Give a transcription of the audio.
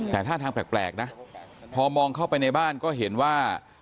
แต่ท่าทางแปลกนะพอมองเข้าไปในบ้านก็เห็นว่า